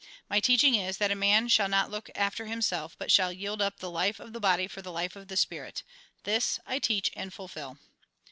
My teaching is, that a man shall not look after himself, but shall yield up the life of the body for the life of the spirit. This I teach and fulfil."